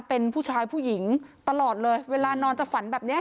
เป็นผู้ชายผู้หญิงตลอดเลยเวลานอนจะฝันแบบนี้